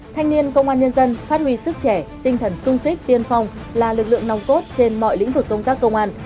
thanh niên công an nhân dân phát huy sức trẻ tinh thần sung kích tiên phong là lực lượng nòng cốt trên mọi lĩnh vực công tác công an